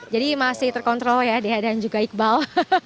jadi masih terkontrol ya dia dan juga iqbal